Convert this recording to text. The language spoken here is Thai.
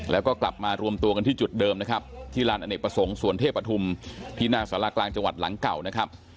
แล้วก็กลับมารวมตัวกันที่จุดเดิมนะครับที่ลานอเนกประสงค์สวนเทพปฐุมที่หน้าสารากลางจังหวัดหลังเก่านะครับ